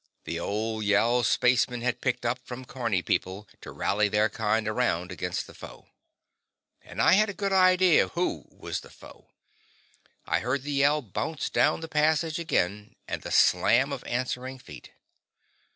The old yell spacemen had picked up from carney people to rally their kind around against the foe. And I had a good idea of who was the foe. I heard the yell bounce down the passage again, and the slam of answering feet.